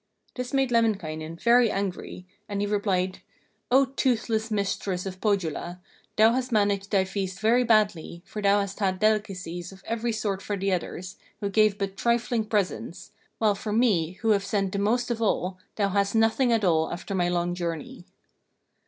This made Lemminkainen very angry, and he replied: 'O toothless mistress of Pohjola, thou hast managed thy feast very badly, for thou hast had delicacies of every sort for the others, who gave but trifling presents, while for me, who have sent the most of all, thou hast nothing at all after my long journey.'